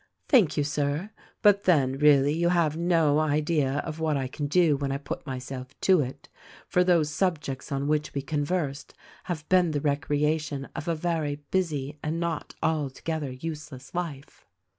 " 'Thank you, Sir; but then, really, you have no idea of what I can do when I put myself to it, for those subjects on which we conversed have been the recreation of a very busy, and not altogether useless life.'